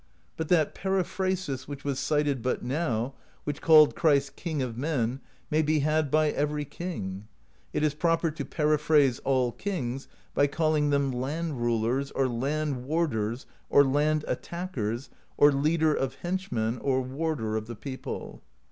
But that periphrasis which was cited but now, which called Christ King of Men, may be had by every king. It is proper to periphrase all kings by calling them Land Rulers, or Land Warders, or Land Attackers, or Leader of Henchmen, or Warder of the People.